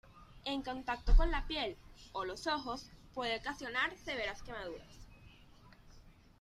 En contacto con la piel o los ojos, puede ocasionar severas quemaduras.